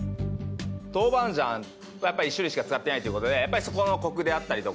豆板醤はやっぱり１種類しか使ってないという事でやっぱりそこのコクであったりとか。